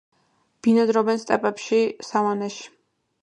ბინადრობენ სტეპებში, სავანებში.